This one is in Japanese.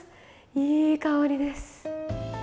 いい香りです。